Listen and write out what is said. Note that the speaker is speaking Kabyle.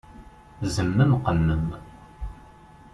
Zemmem, qemmem!